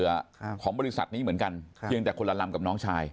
แล้วก็ทำงานบนเรือของบริษัทนี้เหมือนกันเพียงแต่คนละลำกับน้องชาย